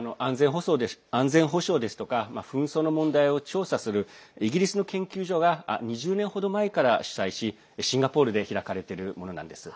安全保障ですとか紛争の問題を調査するイギリスの研究所が２０年程前から主催しシンガポールで開かれてるものなんです。